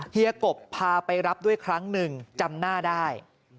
ยกบพาไปรับด้วยครั้งหนึ่งจำหน้าได้